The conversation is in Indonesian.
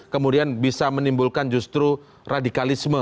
kemudian bisa menimbulkan justru radikalisme